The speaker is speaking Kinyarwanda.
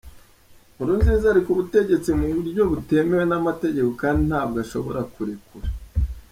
Nkurunziza ari ku butegetsi mu buryo butemewe n’amategeko kandi ntabwo ashobora kurekura.